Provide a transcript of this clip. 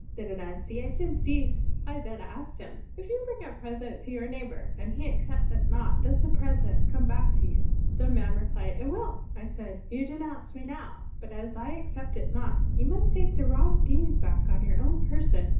The denunciation ceased. I then asked him, 'If you bring a present to your neighbor and he accepts it not, does the present come back to you?' The man replied, *It will.' I said, *You denounce me now, but as I accept it not, you must take the wrong deed back on your own person.